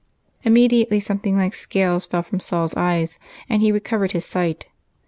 Immediately something like scales fell from Saul's eyes, and he recovered his sight.